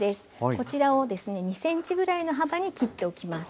こちらをですね２ｃｍぐらいの幅に切っておきます。